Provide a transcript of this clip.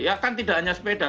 ya kan tidak hanya sepeda